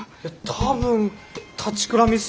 多分立ちくらみっすね。